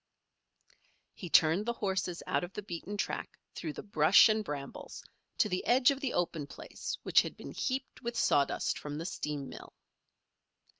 He turned the horses out of the beaten track through the brush and brambles, to the edge of the open place which had been heaped with sawdust from the steam mill.